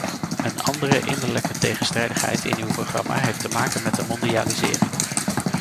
Een andere innerlijke tegenstrijdigheid in uw programma heeft te maken met de mondialisering.